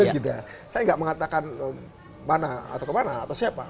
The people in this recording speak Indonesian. tidak saya tidak mengatakan mana atau kemana atau siapa